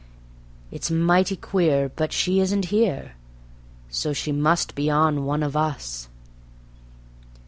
It's mighty queer, but she isn't here; so ... she must be on one of us.